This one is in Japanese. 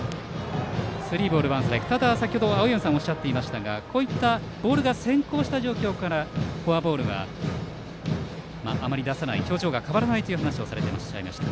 ただ、先程青山さんからもありましたがこういったボールが先行した状況からフォアボールをあまり出さない表情が変わらないという話をされていました。